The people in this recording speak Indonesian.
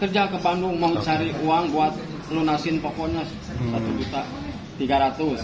terjaga ke bandung mencari uang buat lunasin pokoknya satu tiga juta